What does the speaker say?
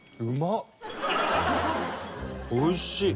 おいしい。